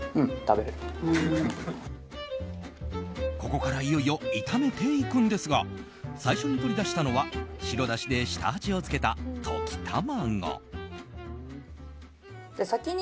ここからいよいよ炒めていくんですが最初に取り出したのは白だしで下味をつけた溶き卵。